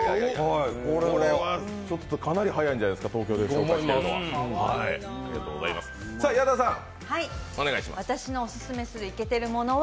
これはかなり早いんじゃないですか、東京で紹介してるのは。